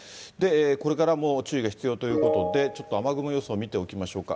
これからも注意が必要ということで、ちょっと雨雲予想を見ておきましょうか。